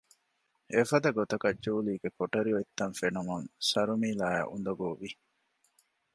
އެފަދަ ގޮތަކަށް ޖޫލީގެ ކޮޓަރި އޮތްތަން ފެނުމުން ސަރުމީލާއަށް އުނދަގޫވި